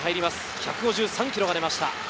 １５３キロが出ました。